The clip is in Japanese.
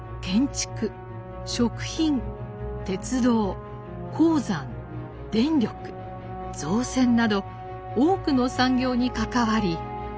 鉄道鉱山電力造船など多くの産業に関わり。